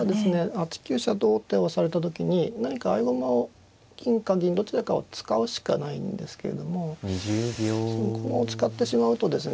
８九飛車と王手をされた時に何か合駒を金か銀どちらかを使うしかないんですけれどもその駒を使ってしまうとですね